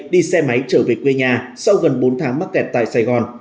đi xe máy trở về quê nhà sau gần bốn tháng mắc kẹt tại sài gòn